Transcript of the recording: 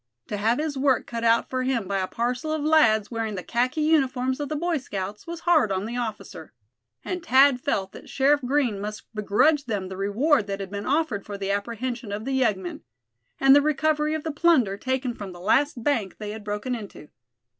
To have his work cut out for him by a parcel of lads wearing the khaki uniforms of the Boy Scouts was hard on the officer. And Thad felt that Sheriff Green must begrudge them the reward that had been offered for the apprehension of the yeggmen, and the recovery of the plunder taken from the last bank they had broken into.